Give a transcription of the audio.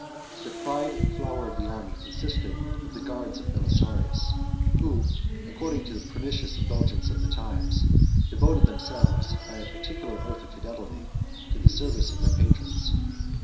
The pride and flower of the army consisted of the guards of Belisarius, who, according to the pernicious indulgence of the times, devoted themselves, by a particular oath of fidelity, to the service of their patrons.